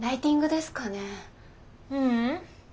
ううん。